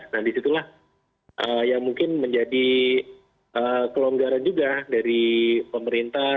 nah disitulah yang mungkin menjadi kelonggaran juga dari pemerintah